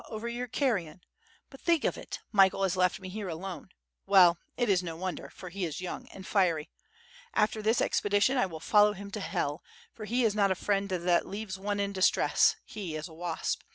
over your carrion; but think of it, Michael has left me here alone. Well, it is no wonder, for he is young and fiery. After this expedition, I will follow him to hell, for he is not a friend that leaves one in distress, he is a wasp.